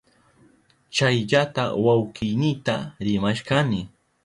Chayllata wawkiynita rimashkani.